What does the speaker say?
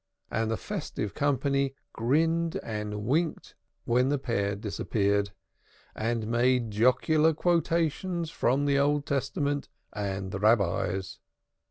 And the festive company grinned and winked when the pair disappeared, and made jocular quotations from the Old Testament and the Rabbis.